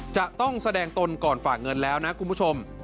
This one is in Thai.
แสดงตนก่อนฝากเงินแล้วนะคุณผู้ชม